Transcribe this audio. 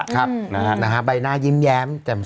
สีวิต้ากับคุณกรนิดหนึ่งดีกว่านะครับแฟนแห่เชียร์หลังเห็นภาพ